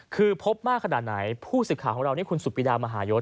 คือพบมากขนาดไหนผู้สื่อข่าวของเรานี่คุณสุดปิดามหายศ